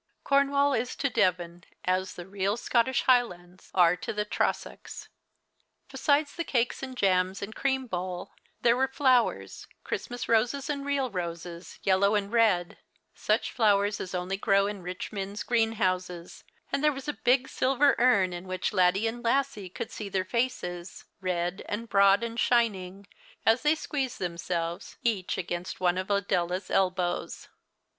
Corn wall is to Devon as the real tScottish Highlands are to the Trossachs. Besides the cakes and jams and cream bowl, there were flowers, Christmas roses, and real roses, yellow ami red, such flowers as only grow in rich men's green houses, and there was a big silver urn in A\hich Laddie and Lassie could see their faces, red and broad and shining, as they squeezed themselves each against one of Adela's elbows.